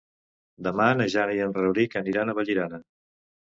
Demà na Jana i en Rauric aniran a Vallirana.